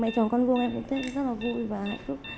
mẹ chồng con vua em cũng rất là vui và hạnh phúc